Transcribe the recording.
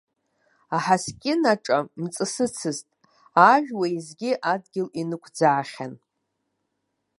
Аҳаскьын аҿа мҵысыцызт, ажә уеизгьы адгьыл ианыӡаахьан.